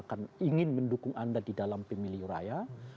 sejak rakyat menyatakan ingin mendukung anda di dalam pemiliu raya